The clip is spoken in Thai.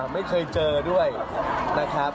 ไม่เคยเจอด้วยนะครับ